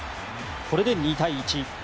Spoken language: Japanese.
これで２対１。